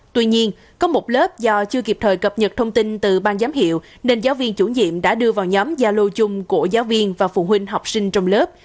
tuy nhiên có một lớp do chưa kịp thời cập nhật thông tin từ ban giám hiệu nên giáo viên chủ nhiệm đã đưa vào nhóm gia lô chung của giáo viên và phụ huynh học sinh trong lớp